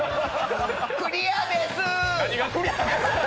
クリアです。